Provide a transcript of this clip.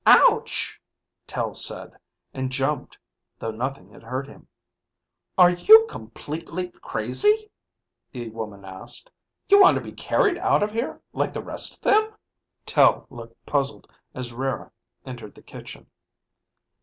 "Ouch," Tel said, and jumped, though nothing had hurt him. "Are you completely crazy?" the woman asked. "You want to be carried out of here like the rest of them?" Tel looked puzzled as Rara entered the kitchen.